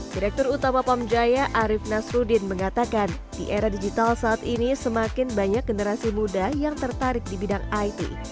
direktur utama pamjaya arief nasruddin mengatakan di era digital saat ini semakin banyak generasi muda yang tertarik di bidang it